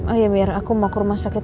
oh iya biar aku mau ke rumah sakit